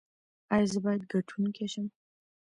ایا زه باید ګټونکی شم؟